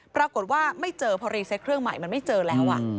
ปรากฏว่าไม่เจอพอรีเซตเครื่องใหม่มันไม่เจอแล้ว